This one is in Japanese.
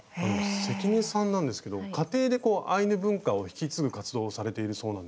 関根さんなんですけど家庭でこうアイヌ文化を引き継ぐ活動をされているそうなんですね。